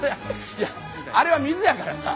いやあれは水やからさ。